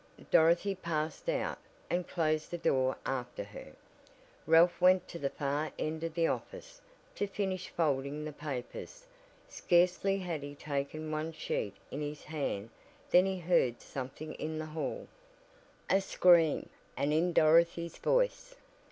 Dorothy passed out, and closed the door after her. Ralph went to the far end of the office, to finish folding the papers. Scarcely had he taken one sheet in his hand than he heard something in the hall. A scream! And in Dorothy's voice!